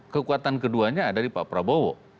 kekuatan keduanya ada di pak prabowo